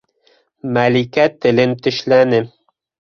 Мәликә телен тешләне.